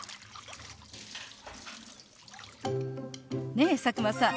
ねえ佐久間さん